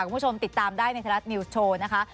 คุณผู้ชมติดตามได้ในไทยรัฐนิวส์โชว์นะคะ